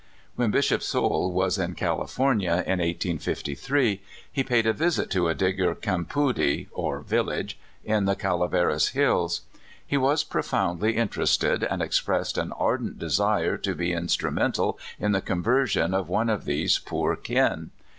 ) When Bishop Soule was in Cahfornia, in 1853, he paid a visit to a Digger campoody (or village) in the Calaveras hills. He was profoundly inter ested, and expressed an ardent desire to be instru mental in the conversion of one of these poor kin.